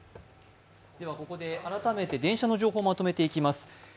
ここで改めて電車の情報をまとめていきます。